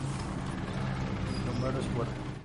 El húmero es fuerte.